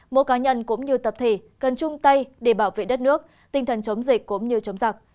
mỗi cá nhân cũng như tập thể cần chung tay để bảo vệ đất nước tinh thần chống dịch cũng như chống giặc